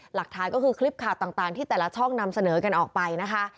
หลักฐานก็คือคลิปข่าวต่างที่แต่ละช่องนำเสนอกันออกไปนะคะ